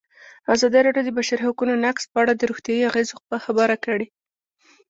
ازادي راډیو د د بشري حقونو نقض په اړه د روغتیایي اغېزو خبره کړې.